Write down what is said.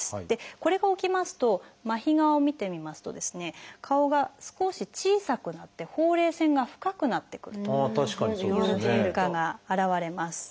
これが起きますと麻痺側を見てみますと顔が少し小さくなってほうれい線が深くなってくるという変化が現れます。